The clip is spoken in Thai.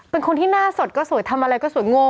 เป็นคนที่หน้าสดก็สวยทำอะไรก็สวยโง่